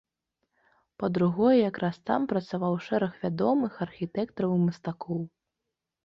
Па-другое, якраз там працаваў шэраг вядомых архітэктараў і мастакоў.